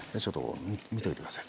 見ておいてください